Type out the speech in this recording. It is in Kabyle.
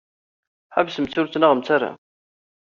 Ḥebsemt ur ttnaɣemt ara.